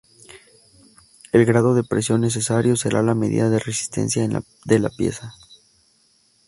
El grado de presión necesario será la medida de resistencia de la pieza.